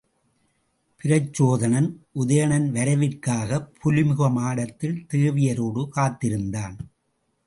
பிரச்சோதனன் உதயணன் வரவிற்காகப் புலிமுக மாடத்தில் தேவியரோடு காத்திருந்தான்.